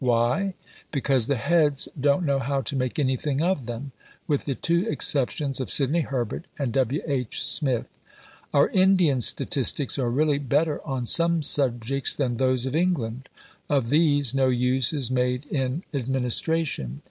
Why? Because the Heads don't know how to make anything of them (with the two exceptions of Sidney Herbert and W. H. Smith). Our Indian statistics are really better on some subjects than those of England. Of these no use is made in administration.